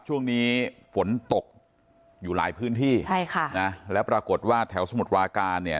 ช่วงนี้ฝนตกอยู่หลายพื้นที่ใช่ค่ะนะแล้วปรากฏว่าแถวสมุทรปราการเนี่ย